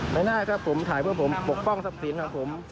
ไม่น่าถ้าผมถ่ายเพื่อผมปกป้องทรัพย์สินของผม